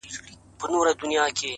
ما ته بيرته يو ځل راكه اولادونه.!